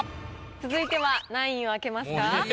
続いては何位を開けますか？